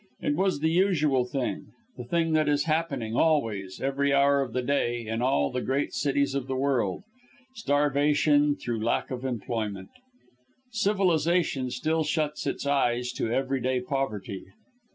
It was the usual thing the thing that is happening always, every hour of the day, in all the great cities of the world starvation, through lack of employment. Civilization still shuts its eyes to everyday poverty.